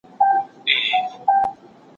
ايله مې شل، له ځان سره خوارې کړې ده